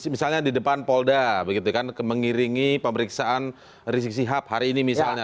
misalnya di depan polda mengiringi pemeriksaan resiksi hap hari ini misalnya